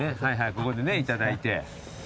ここでいただいて。